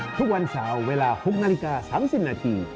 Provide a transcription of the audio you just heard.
ทุกวันเสาร์เวลา๖นาฬิกา๓๐นาที